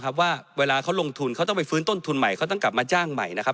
ว่าเวลาเขาลงทุนเขาต้องไปฟื้นต้นทุนใหม่เขาต้องกลับมาจ้างใหม่นะครับ